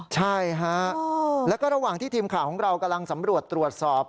ใช่ฮะแล้วก็ระหว่างที่ทีมข่าวของเรากำลังสำรวจตรวจสอบ